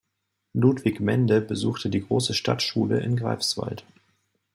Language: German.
Ludwig Mende besuchte die große Stadtschule in Greifswald.